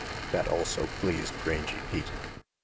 That also pleased Rangy Pete.